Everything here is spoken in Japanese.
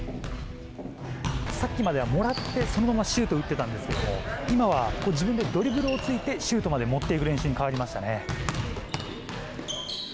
さっきまではもらって、そのままシュートを打ってたんですけれども、今は自分でドリブルをついて、シュートまで持っていく練習に変わりましたね。